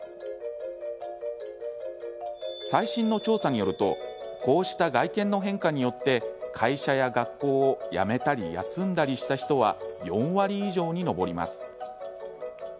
最新の調査によるとこうした外見の変化によって会社や学校を辞めたり休んだりした人は４割以上に上ります。